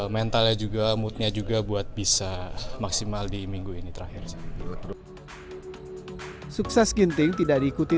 mentalnya juga moodnya juga buat bisa maksimal di minggu ini terakhir sukses ginting tidak diikuti